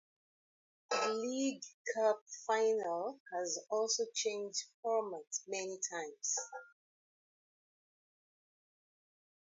The League Cup Final has also changed format many times.